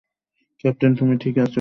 Captain, তুমি ঠিক আছো?